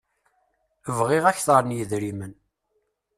Bɣiɣ akteṛ n yedrimen.